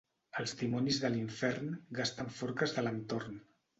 Els dimonis de l'infern gasten forques d'Alentorn.